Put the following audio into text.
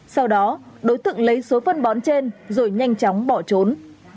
sau đó đối tượng lấy số phân bón trên rồi nhanh chóng bỏ trốn